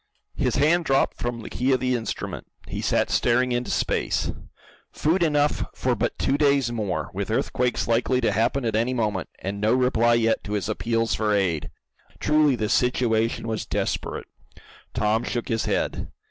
His hand dropped from the key of the instrument. He sat staring into space. Food enough for but two days more, with earthquakes likely to happen at any moment, and no reply yet to his appeals for aid! Truly the situation was desperate. Tom shook his head.